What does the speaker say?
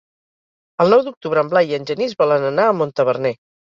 El nou d'octubre en Blai i en Genís volen anar a Montaverner.